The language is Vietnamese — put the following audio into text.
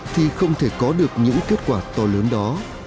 thì không thể có được những kết quả to lớn đó